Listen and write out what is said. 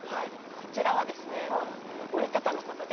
こちらは折り畳むことで。